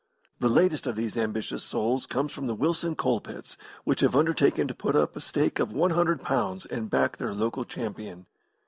The latest of these ambitious souls comes from the Wilson coal pits, which have undertaken to put up a stake of 100 pounds and back their local champion.